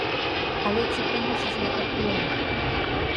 Але ці прыносіць гэта плён?